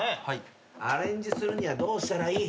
アレンジするにはどうしたらいい？